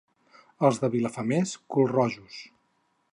Els de Vilafamés, culrojos.